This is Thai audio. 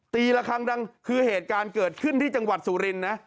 ตีระคางดังคือเหตุการณ์เกิดขึ้นที่จังหวัดสูรินนะ